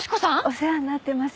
お世話になってます。